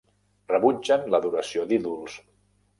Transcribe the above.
Rebutgen l'adoració d'ídols.